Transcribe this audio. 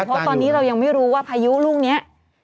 เพราะตอนนี้เรายังไม่รู้ว่าพายุลูกนี้